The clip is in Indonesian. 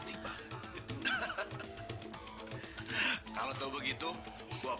sinta pergi dulu ya